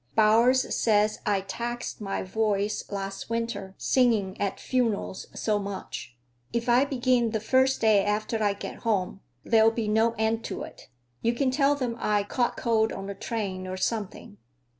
Bowers says I taxed my voice last winter, singing at funerals so much. If I begin the first day after I get home, there'll be no end to it. You can tell them I caught cold on the train, or something."